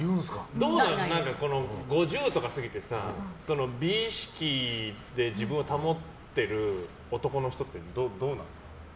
５０とか過ぎてさ美意識で自分を保ってる男の人ってどうなんですか？